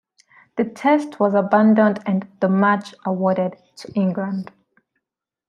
The Test was abandoned and the match awarded to England.